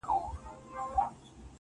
بابولاله.